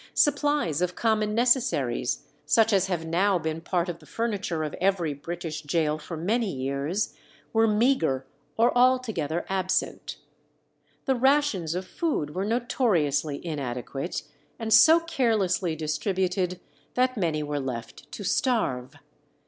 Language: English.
Supplies of common necessaries, such as have now been part of the furniture of every British gaol for many years, were meagre or altogether absent. The rations of food were notoriously inadequate, and so carelessly distributed, that many were left to starve.